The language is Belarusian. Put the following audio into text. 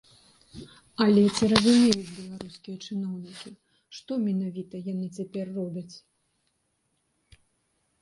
Але ці разумеюць беларускія чыноўнікі, што менавіта яны цяпер робяць?